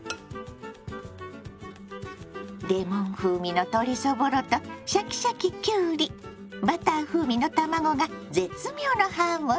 レモン風味の鶏そぼろとシャキシャキきゅうりバター風味の卵が絶妙のハーモニー！